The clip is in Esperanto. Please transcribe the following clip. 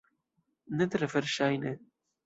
Ne tre verŝajne.